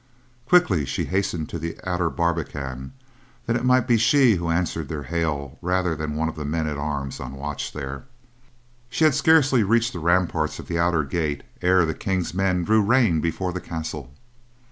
Quickly she hastened to the outer barbican that it might be she who answered their hail rather than one of the men at arms on watch there. She had scarcely reached the ramparts of the outer gate ere the King's men drew rein before the castle.